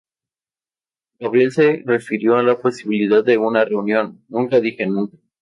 Gabriel se refirió a la posibilidad de una reunión: "Nunca dije nunca.